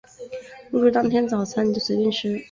入住当天早餐就随便你吃